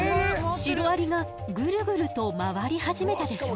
シロアリがぐるぐると回り始めたでしょ？